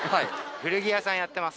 古着屋さんやってます。